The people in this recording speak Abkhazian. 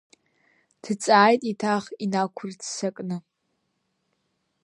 Дҵааит еиҭах инақәырццакны.